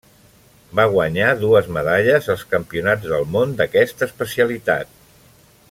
Va guanyar dues medalles als Campionats del món d'aquesta especialitat.